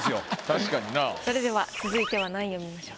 確かにな。それでは続いては何位を見ましょうか？